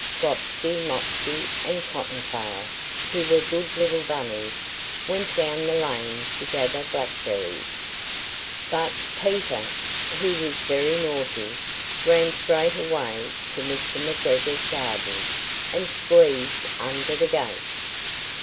Flopsy, Mopsy, and Cotton tail, who were good little bunnies, went down the lane to gather blackberries. But Peter, who was very naughty, ran straight away to Mr. McGregor's garden, and squeezed under the gate!